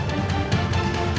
tenang ya kotanya